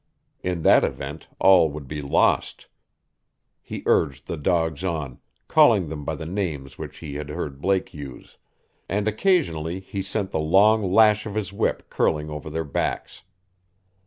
In that event all would be lost. He urged the dogs on, calling them by the names which he had heard Blake use, and occasionally he sent the long lash of his whip curling over their backs.